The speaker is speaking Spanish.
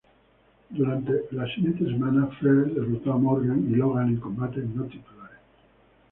Durante las siguientes semanas, Flair derrotó a Morgan y Logan en combates no titulares.